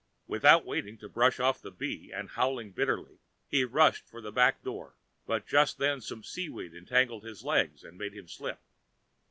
Without waiting to brush off the bee, and howling bitterly, he rushed for the back door; but just then some seaweed entangled his legs and made him slip.